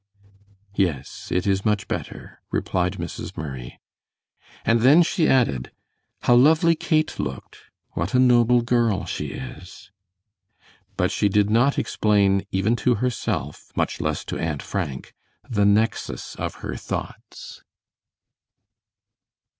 "Yes, it is much better," replied Mrs. Murray; and then she added, "How lovely Kate looked! What a noble girl she is," but she did not explain even to herself, much less to Aunt Frank, the nexus of her thoughts.